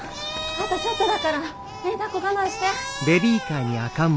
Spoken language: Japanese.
あとちょっとだからだっこ我慢して。